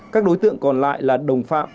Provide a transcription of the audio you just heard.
các đối tượng còn lại là đồng phạm